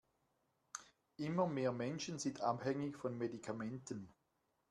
Immer mehr Menschen sind abhängig von Medikamenten.